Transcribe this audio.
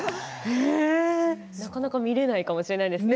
なかなか見られないかもしれないですね